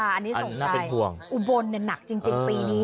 อันนี้ส่งใจอุบลหนักจริงปีนี้